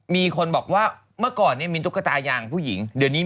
มันก็อยู่ของมันอย่างเงี้ย